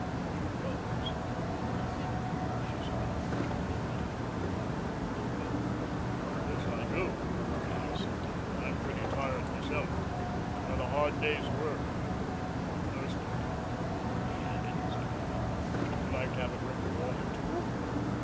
She rose. "I think," she said, "we had better be going home. Don't you?" "Yes, I do," he assented. "I'm pretty tired myself. I've had a hard day's work. I'm thirsty, too," he added, as he got up. "Would you like to have a drink of water, too?"